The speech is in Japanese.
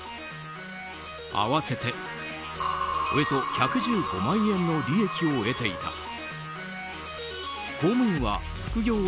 合わせて、およそ１１５万円の利益を得ていた。